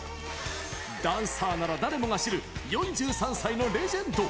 ダンサーなら誰もが知る４３歳のレジェンド。